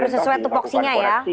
harus sesuai tupoksinya ya